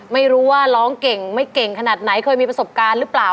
ไม่รู้ว่าร้องเก่งไม่เก่งขนาดไหนเคยมีประสบการณ์หรือเปล่า